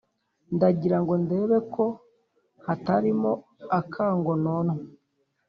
ndagira ngo ndebe ko hatarimo akangononwa.